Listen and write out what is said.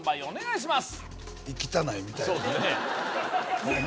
お願いします